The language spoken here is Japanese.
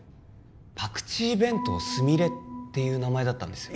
パクチー弁当スミレっていう名前だったんですよ